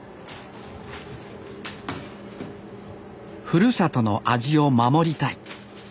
ふるさとの味を守りたい。